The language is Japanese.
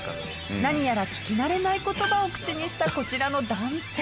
何やら聞き慣れない言葉を口にしたこちらの男性。